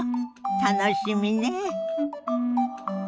楽しみね。